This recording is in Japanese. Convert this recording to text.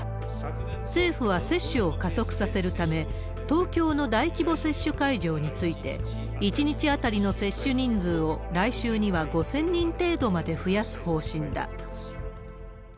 政府は接種を加速させるため、東京の大規模接種会場について、１日当たりの接種人数を来週には５０００人程度まで増やす方針だ。